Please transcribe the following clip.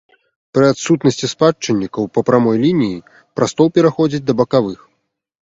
Пры адсутнасці спадчыннікаў па прамой лініі, прастол пераходзіць да бакавых.